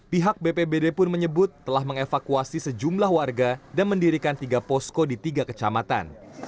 pihak bpbd pun menyebut telah mengevakuasi sejumlah warga dan mendirikan tiga posko di tiga kecamatan